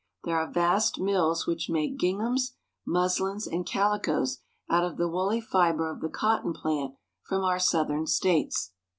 There are vast mills which make ginghams, mus lins, and calicoes out of the woolly fiber of the cotton plant from our southern states.